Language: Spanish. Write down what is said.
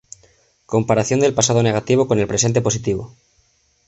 Comparación del pasado negativo con el presente positivo.